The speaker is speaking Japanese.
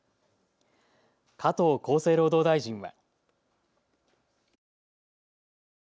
加藤厚生労働大臣は。